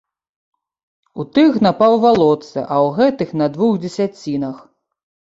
У тых на паўвалоцы, а ў гэтых на двух дзесяцінах.